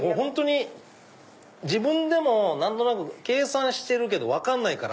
自分でも何となく計算してるけど分かんないから。